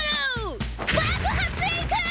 爆発でいく⁉